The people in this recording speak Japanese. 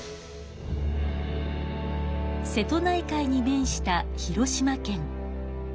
瀬戸内海に面した広島県。